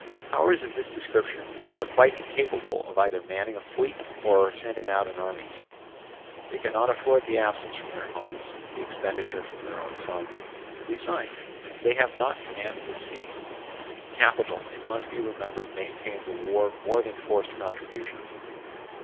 Powers of this description are quite incapable of often manning a fleet or often sending out an army: they cannot afford the absence from their homes, the expenditure from their own funds; and besides, they have not command of the sea. Capital, it must be remembered, maintains a war more than forced contributions.